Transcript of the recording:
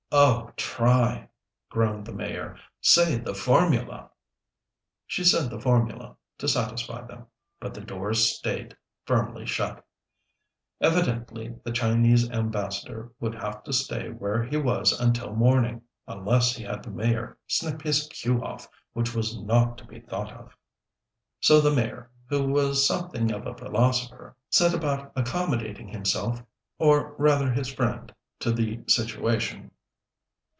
"Oh, try!" groaned the Mayor. "Say the formula." She said the formula, to satisfy them, but the door staid firmly shut. Evidently the Chinese Ambassador would have to stay where he was until morning, unless he had the Mayor snip his queue off, which was not to be thought of. So the Mayor, who was something of a philosopher, set about accommodating himself, or rather his friend, to the situation.